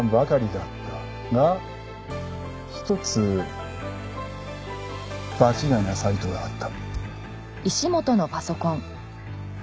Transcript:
が一つ場違いなサイトがあった。